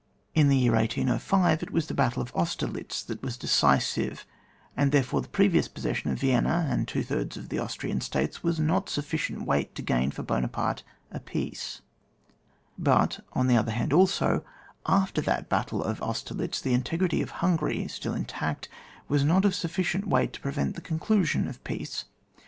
In the year 1805 it was the battle of Austerlitz that was decisive ; and, therefore, the previous possession of Vienna and two thirds of the Austrian States, was not of sufficient weight to gain for Buonaparte a peace ; but, on the other hand also, after that bat tle of Austerlitz, the integrity of Hungary, still intact, was not of sufficient weight to prevent the conclusion of peace.